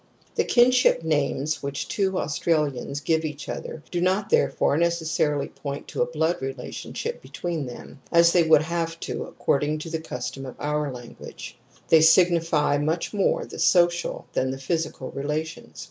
The ^kinship names which two Australians give eaclTother do not, therefore, necessarily point to a blood relationship be tween them, as they would have to according to the custom of our language ; they signify mor e the social than thephysical rela tions.